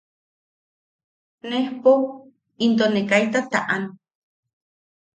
Nejpo into ne kaita taʼan: